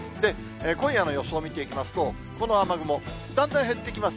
今夜の予想を見ていきますと、この雨雲、だんだん減ってきます。